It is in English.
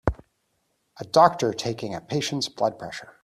a doctor taking a patients blood pressure